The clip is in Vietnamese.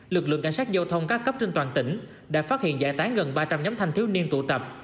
lực lượng cảnh sát giao thông các cấp trên toàn tỉnh đã phát hiện giải tán gần ba trăm linh nhóm thanh thiếu niên tụ tập